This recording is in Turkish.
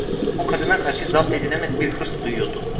Bu kadına karşı zapt edilemez bir hırs duyuyordu…